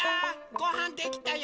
ごはんできたよ！